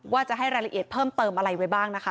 ว่าจะให้รายละเอียดเพิ่มเติมอะไรไว้บ้างนะคะ